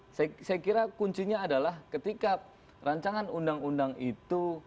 saya kira kuncinya adalah ketika rancangan undang undang itu